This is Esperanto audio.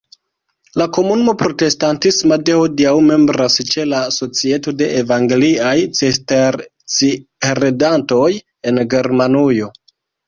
La komunumo protestatisma de hodiaŭ membras ĉe la Societo de evangeliaj cisterciheredantoj en Germanujo.